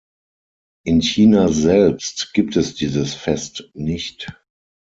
In China selbst gibt es dieses Fest nicht.